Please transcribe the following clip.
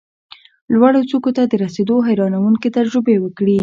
لوړو څوکو ته د رسېدو حیرانوونکې تجربې وکړې،